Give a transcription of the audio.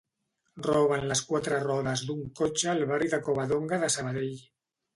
Roben les quatre rodes d'un cotxe al barri de Covadonga de Sabadell